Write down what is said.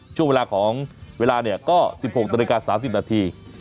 ช่วงเวลาก็๑๖ตร๓๐นาที